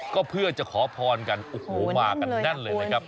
ก็เพื่อจะขอพรกันโอ้โหมากันแน่นเลยนะครับ